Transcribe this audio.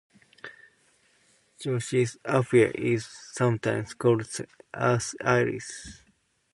"Geosiris aphylla" is sometimes called the "earth-iris.